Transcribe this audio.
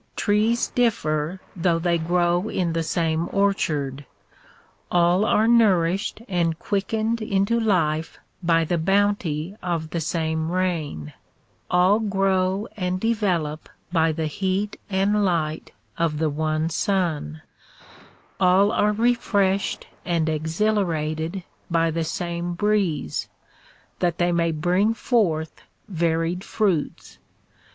Trees differ though they grow in the same orchard. All are nourished and quickened into life by the bounty of the same rain; all grow and develop by the heat and light of the one sun ; all are refreshed and exhilarated by the same breeze ; that they may bring forth varied fruits.